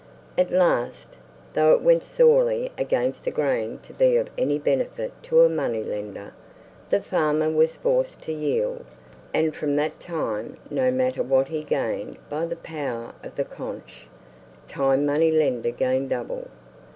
At last, though it went sorely against the grain to be of any benefit to a money lender, the farmer was forced to yield, and from that time, no matter what he gained by the power of the couch, time money lender gained double.